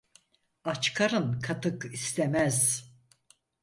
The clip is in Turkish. Aç karın katık istemez.